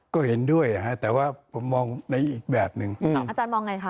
ก็เห็นด้วยแต่ว่าผมมองในอีกแบบหนึ่งอาจารย์มองไงคะ